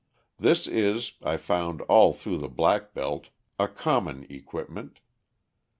This is, I found all through the black belt, a common equipment.